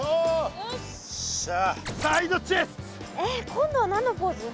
今度は何のポーズ？